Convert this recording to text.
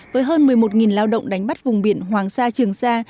với hơn một mươi một lao động đánh bắt vùng biển hoàng sa trường sa